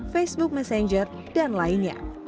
facebook messenger dan lainnya